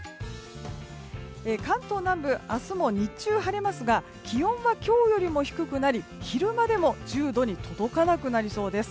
関東南部、明日も日中晴れますが気温は今日よりも低くなり昼間でも１０度に届かなくなりそうです。